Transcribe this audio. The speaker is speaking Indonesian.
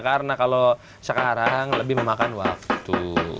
karena kalau sekarang lebih memakan waktu